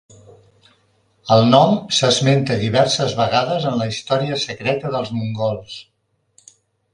El nom s'esmenta diverses vegades en la història secreta dels mongols.